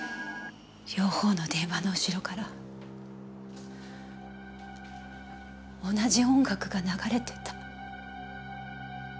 両方の電話の後ろから同じ音楽が流れていた。